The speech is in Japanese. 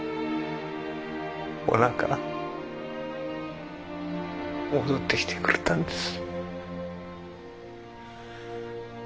おなか戻ってきてくれたんです。